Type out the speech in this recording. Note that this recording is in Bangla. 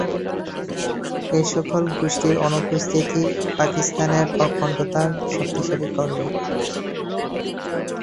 এসকল গোষ্ঠীর অনুপস্থিতি পাকিস্তানের অখণ্ডতা শক্তিশালী করবে।